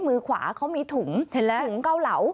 มือขวาเขามีถุงถุงเกาเหลา